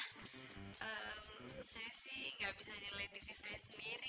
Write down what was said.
saya sih nggak bisa nilai diri saya sendiri